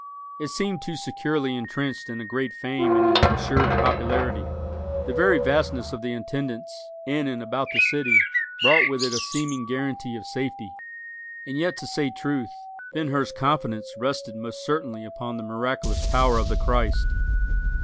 It seemed too securely intrenched in a great fame and an assured popularity. The very vastness of the attendance in and about the city brought with it a seeming guaranty of safety. And yet, to say truth, Ben Hur's confidence rested most certainly upon the miraculous power of the Christ.